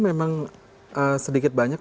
memang sedikit banyak